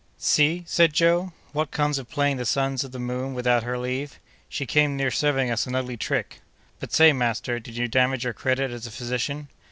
"See," said Joe, "what comes of playing the sons of the moon without her leave! She came near serving us an ugly trick. But say, master, did you damage your credit as a physician?"